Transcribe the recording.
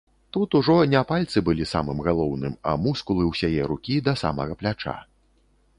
Тут ужо не пальцы былі самым галоўным, а мускулы ўсяе рукі да самага пляча.